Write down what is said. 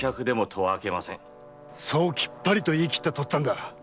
そうきっぱりと言いきった父っつぁんだ。